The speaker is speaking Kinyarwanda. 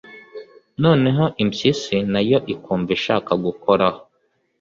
noneho impyisi nayo ikumva ishaka gukoraho.